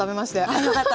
あよかった。